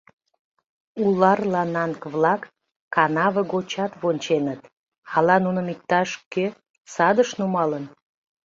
Улар-лананг-влак канаве гочат вонченыт ала нуным иктаж кӧ садыш нумалын.